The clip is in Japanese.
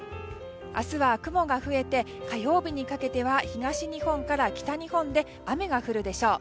明日は雲が増えて火曜日にかけては東日本から北日本で雨が降るでしょう。